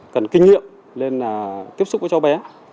cần kinh nghiệm lên là tiếp xúc với cháu bé